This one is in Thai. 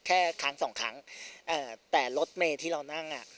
แค่ครั้งสองครั้งเอ่อแต่รถเมย์ที่เรานั่งอ่ะ